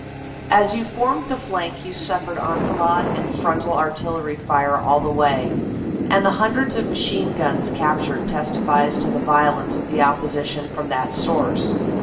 "As you formed the flank you suffered enfilade and frontal artillery fire all the way, and the hundreds of machine guns captured testifies to the violence of the opposition from that source.